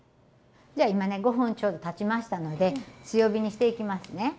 じゃ今ね５分ちょうどたちましたので強火にしていきますね。